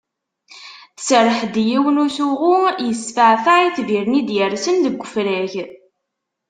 Tserreḥ-d i yiwen n usuɣu yesfeɛfeɛ itbiren i d-yersen deg ufrag.